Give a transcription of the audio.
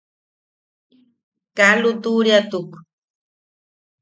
Kaa lutuʼuriatuk.